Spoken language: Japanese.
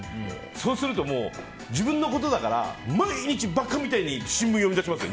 そうすると、自分のことだから毎日バカみたいに新聞を読み出しますよ。